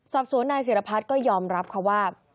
สอบสวนนายศิรพัฒน์ก็ยอมรับค่ะว่า